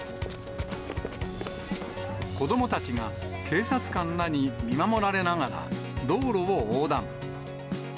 子どもたちが警察官らに見守られながら道路を横断。